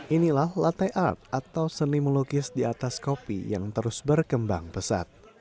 inilah latte art atau seni melukis di atas kopi yang terus berkembang pesat